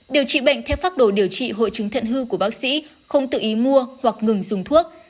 điều trị bệnh theo phác đồ điều trị hội chứng thận hư của bác sĩ không tự ý mua hoặc ngừng dùng thuốc